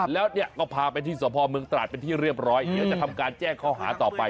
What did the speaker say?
แล้วเนี่ยก็พาไปที่สพเมืองตราดเป็นที่เรียบร้อยเดี๋ยวจะทำการแจ้งข้อหาต่อไป